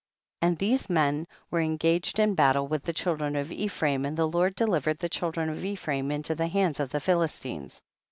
15. And these men were engaged in battle with the children of Ephraim, and the Lord delivered the children of Ephraim into the hands of the Philistines.